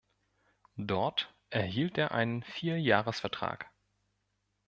Dort erhielt er einen Vierjahresvertrag.